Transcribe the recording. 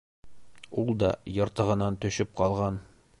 Ул да йыртығынан төшөп ҡалған.